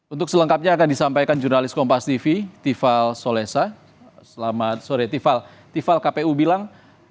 untuk selengkapnya akan disampaikan jurnalis kompas tv tifal kpu bilang